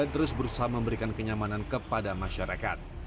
terus berusaha memberikan kenyamanan kepada masyarakat